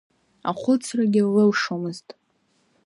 Ахәыцрагьы лылшомызт.